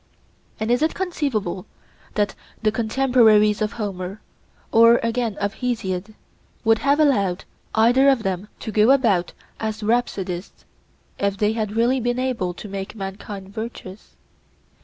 And is it conceivable that the contemporaries of Homer, or again of Hesiod, would have allowed either of them to go about as rhapsodists, if they had really been able to make mankind virtuous?